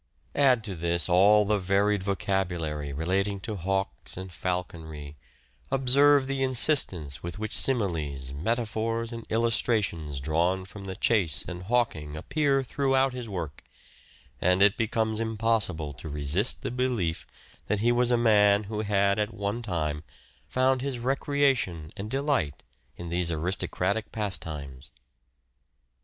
Add to this all the varied vocabulary relating to hawks and falconry, observe the insistence with which similes, metaphors and illustrations drawn from the chase and hawking appear throughout his work, and it becomes impossible to resist the belief that he was a man who had at one time found his recreation and delight in these aristo cratic pastimes.